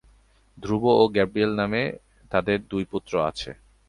ধ্রুব ও গ্যাব্রিয়েল নামে তাদের দুই পুত্র রয়েছে।